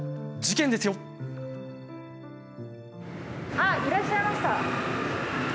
あっいらっしゃいました。